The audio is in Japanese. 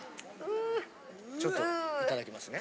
ちょっといただきますね。